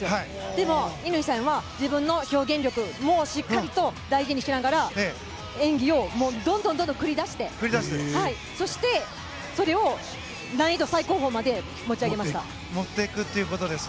でも、乾さんは自分の表現力もしっかりと大事にしながら演技をどんどん繰り出してそして、それを難易度最高峰にまで持ち上げました。